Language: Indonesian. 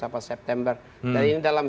apa september dan ini dalam